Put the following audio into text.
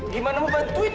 gimana mau bantuin